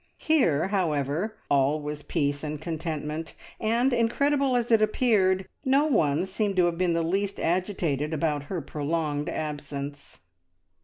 Here, however, all was peace and contentment, and, incredible as it appeared, no one seemed to have been the least agitated about her prolonged absence.